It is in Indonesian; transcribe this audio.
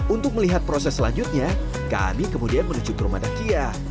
untuk melihat proses selanjutnya kami kemudian menuju ke rumah dakia